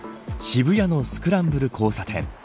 渋谷のスクランブル交差点。